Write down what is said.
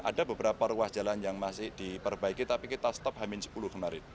ada beberapa ruas jalan yang masih diperbaiki tapi kita stop hamin sepuluh kemarin